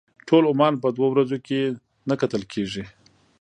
ټول عمان په دوه ورځو کې نه کتل کېږي.